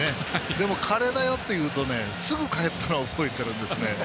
でも、カレーだよって言うとすぐ帰ったのを覚えているんです。